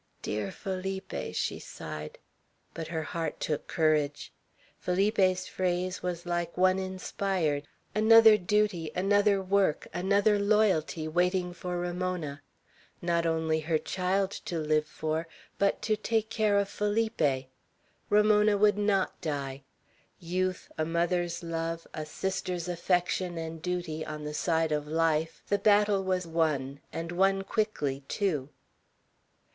"Dear Felipe!" she sighed; but her heart took courage. Felipe's phrase was like one inspired; another duty, another work, another loyalty, waiting for Ramona. Not only her child to live for, but to "take care of Felipe"! Ramona would not die! Youth, a mother's love, a sister's affection and duty, on the side of life, the battle was won, and won quickly, too.